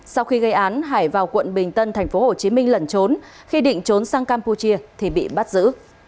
sau khi gây án hải vào quận bình tân tp hcm lẩn trốn khi định trốn sang campuchia thì bị bắt giữ